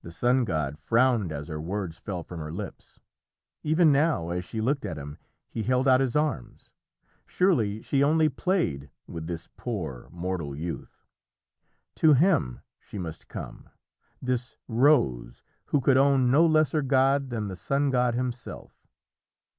The sun god frowned as her words fell from her lips. Even now, as she looked at him, he held out his arms. Surely she only played with this poor mortal youth. To him she must come, this rose who could own no lesser god than the sun god himself.